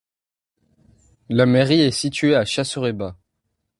La mairie est située à Chaserey-Bas.